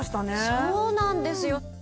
そうなんですよ。